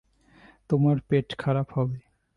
তোমার পেট খারাপ হবে।